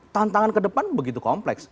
tantangan ke depan begitu kompleks